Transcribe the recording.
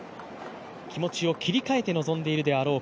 気持ちを切り替えて臨んでいるだろう